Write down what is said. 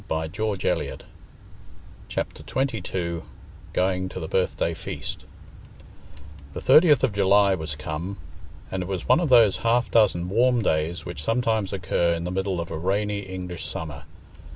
Book Third Chapter XXII Going to the Birthday Feast The thirtieth of July was come, and it was one of those half dozen warm days which sometimes occur in the middle of a rainy English summer.